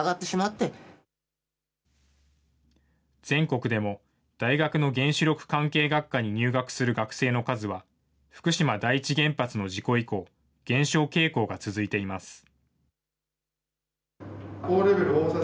全国でも、大学の原子力関係学科に入学する学生の数は、福島第一原発の事故以降、減少傾向が続いています。